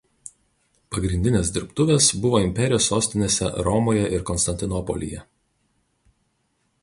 Pagrindinės dirbtuvės buvo imperijos sostinėse Romoje ir Konstantinopolyje.